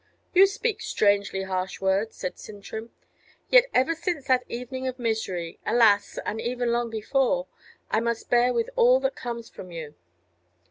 "You speak strangely harsh words," said Sintram. "Yet ever since that evening of misery, alas! and even long before, I must bear with all that comes from you.